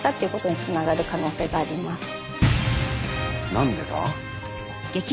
何でだ？